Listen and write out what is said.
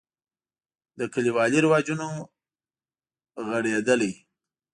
له کلیوالي رواجونو غړېدلی.